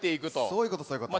そういうことそういうこと。